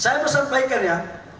saya pesampaikan ya